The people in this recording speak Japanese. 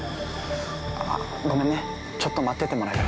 ごめんね、ちょっと待っててもらえる？